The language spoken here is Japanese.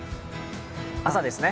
朝ですね。